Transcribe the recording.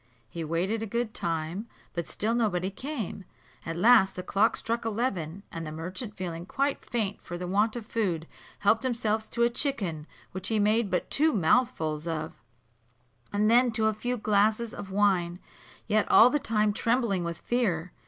He waited a good time, but still nobody came: at last the clock struck eleven, and the merchant, being quite faint for the want of food, helped himself to a chicken, which he made but two mouthfuls of, and then to a few glasses of wine, yet all the time trembling with fear.